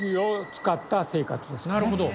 なるほど！